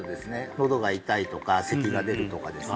のどが痛いとかせきが出るとかですね